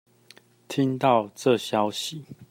聽到這消息